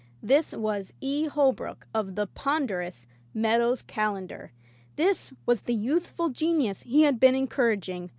This was "E. Holbrook*' of the ponderous "Mea dow's Calendar"! This was the youthful genius he had been encouraging!